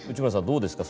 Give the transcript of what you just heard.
どうですか？